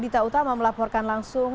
dita utama melaporkan langsung